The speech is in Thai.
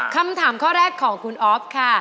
คำถามข้อแรกของคุณออฟค่ะ